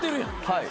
はい。